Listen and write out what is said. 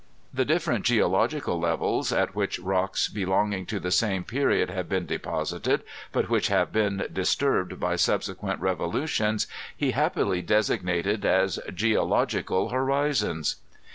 The different geological levels at which rocks be longing to the same period have been deposited, but which have been disturbed by subsequent revolutions, he happily designated as " geological horizons."